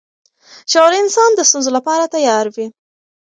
شعوري انسان د ستونزو لپاره تیار وي.